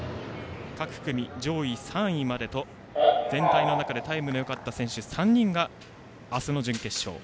各組上位３位までと全体の中でタイムのよかった３人が、明日の準決勝へ。